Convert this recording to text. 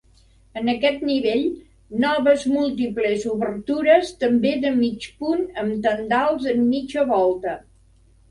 En aquest nivell, noves múltiples obertures també de mig punt amb tendals en mitja volta.